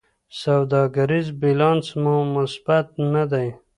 سوداګریز بیلانس مو مثبت نه دی.